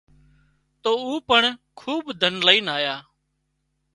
تو او پڻ کوٻ ڌن لائينَ آيا